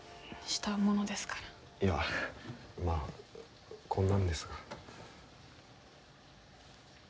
いやまあこんなんですが。